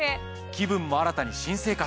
気分も新たに新生活。